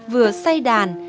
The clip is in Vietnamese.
vừa say đàn